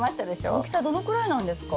大きさどのくらいなんですか？